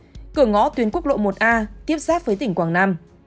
cửa ngõ tuyến quốc lộ một a tiếp xác với tỉnh quảng nam